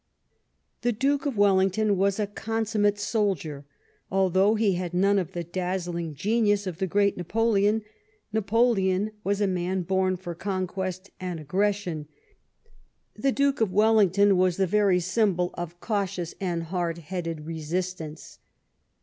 The Duke of Wellington was a consummate soldier, although he had none of the dazzling genius of the great Napoleon. Napoleon was a man born for conquest and for aggression. The Duke of Wellington was the very symbol of 34 THE STORY OF GLADSTONES LIFE cautious and hard headed resistance.